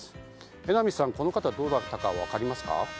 榎並さん、この方どなただったか分かりますか？